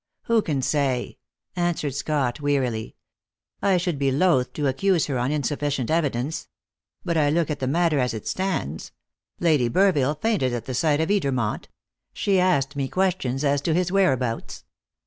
"Who can say?" answered Scott wearily. "I should be loath to accuse her on insufficient evidence. But look at the matter as it stands. Lady Burville fainted at the sight of Edermont; she asked me questions as to his whereabouts.